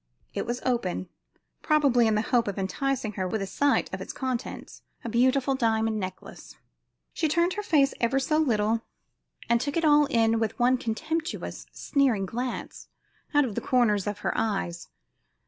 It was open, probably in the hope of enticing her with a sight of its contents a beautiful diamond necklace. She turned her face ever so little and took it all in with one contemptuous, sneering glance out of the corners of her eyes.